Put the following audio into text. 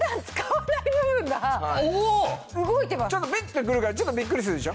ちょっとビッ！ってくるからちょっとビックリするでしょ。